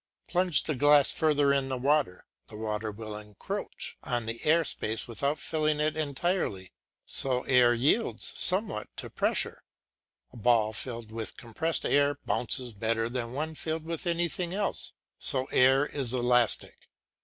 Plunge the glass further in the water; the water will encroach on the air space without filling it entirely; so air yields somewhat to pressure. A ball filled with compressed air bounces better than one filled with anything else; so air is elastic.